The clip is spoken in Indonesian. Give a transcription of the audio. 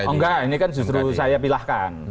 oh enggak ini kan justru saya pilahkan